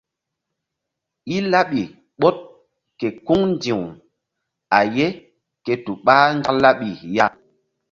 I laɓi ɓoɗ ke kuŋ ndi̧w a ye ke tu ɓah nzak laɓi ya.